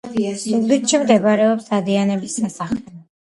ზუგდიდში მდებარეობს დადიანების სასახლე.